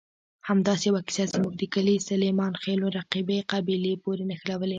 همداسې یوه کیسه زموږ د کلي سلیمانخېلو رقیبې قبیلې پورې نښلولې.